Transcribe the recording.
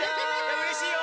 うれしいよ。